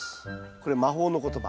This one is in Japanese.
これ魔法の言葉。